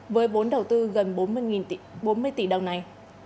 với vốn đầu tư gần bốn mươi tỷ đồng này